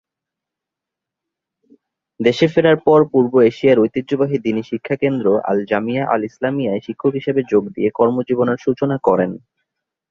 দেশে ফেরার পর পূর্ব এশিয়ার ঐতিহ্যবাহী দ্বীনি শিক্ষাকেন্দ্র আল-জামিয়া আল ইসলামিয়ায় শিক্ষক হিসেবে যোগ দিয়ে কর্মজীবনের সূচনা করেন।